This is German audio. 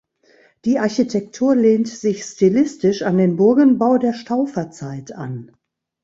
Die Architektur lehnt sich stilistisch an den Burgenbau der Stauferzeit an.